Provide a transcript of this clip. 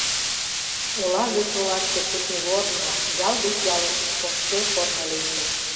Ола гыч олашке кӱртньыгорно, ял гыч ялыш шоссе корно лийже.